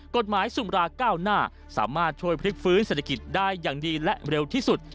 กฎหมายสุมราก้าวหน้าสามารถช่วยพลิกฟื้นเศรษฐกิจได้อย่างดีและเร็วที่สุด